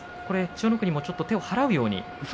千代の国も手を払うようにしました。